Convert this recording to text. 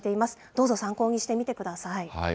どうぞ参考にしてみてください。